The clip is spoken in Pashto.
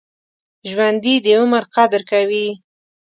ژوندي د عمر قدر کوي